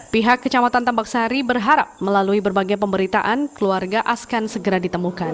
pihak kecamatan tambak sari berharap melalui berbagai pemberitaan keluarga askan segera ditemukan